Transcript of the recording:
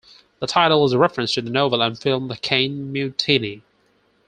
The title is a reference to the novel and film "The Caine Mutiny".